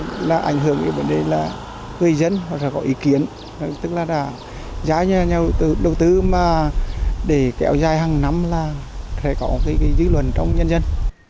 thứ ba là ảnh hưởng đến vấn đề là người dân hoặc là có ý kiến tức là là giá nhà đầu tư mà để kéo dài hàng năm là sẽ có cái dư luận trong nhân dân